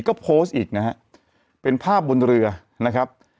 ก็โพสต์อีกนะฮะเป็นภาพบนเรือนะครับ